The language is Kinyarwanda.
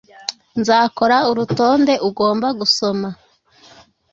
nzakora urutonde ugomba gusoma. ”